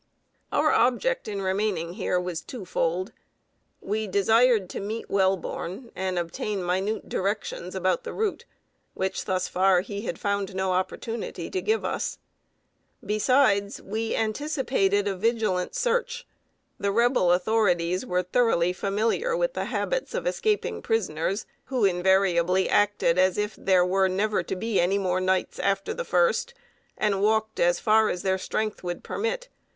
Our object in remaining here was twofold. We desired to meet Welborn, and obtain minute directions about the route, which thus far he had found no opportunity to give us. Besides, we anticipated a vigilant search. The Rebel authorities were thoroughly familiar with the habits of escaping prisoners, who invariably acted as if there were never to be any more nights after the first, and walked as far as their strength would permit.